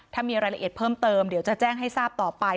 ถ้ามีรายละเอียดเพิ่มเติมเดี๋ยวจะแจ้งให้ทราบต่อไป